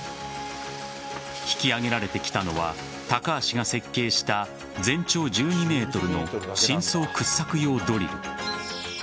引き上げられてきたのは高橋が設計した全長１２ｍの深層掘削用ドリル。